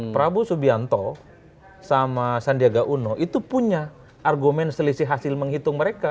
prabowo subianto sama sandiaga uno itu punya argumen selisih hasil menghitung mereka